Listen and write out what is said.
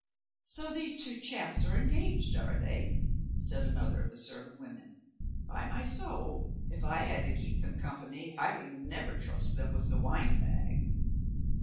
"So these two chaps are engaged, are they?" said another of the servant women; "by my soul, if I had to keep them company I would never trust them with the wine bag."